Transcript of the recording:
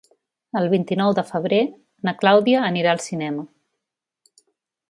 El vint-i-nou de febrer na Clàudia anirà al cinema.